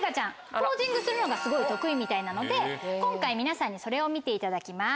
ポージングするのがすごい得意みたいなので今回皆さんにそれを見ていただきます。